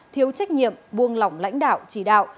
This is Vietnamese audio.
thiếu trách nhiệm buông lỏng lãnh đạo chỉ đạo